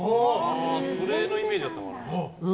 それのイメージだったのかな。